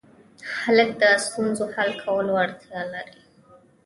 هلک د ستونزو حل کولو وړتیا لري.